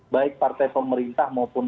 baik partai pemerintah maupun